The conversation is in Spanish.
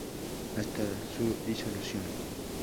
Hasta su disolución.